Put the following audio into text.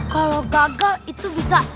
kalau gagal itu bisa